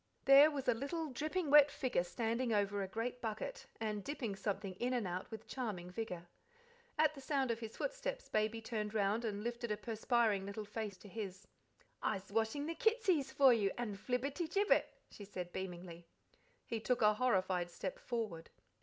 There was a little, dripping wet figure standing over a great bucket, and dipping something in and out with charming vigour. At the sound of his footsteps, Baby turned round and lifted a perspiring little face to his. "I'se washing the kitsies for you, and Flibberty Gibbet," she said beamingly. He took a horrified step forward.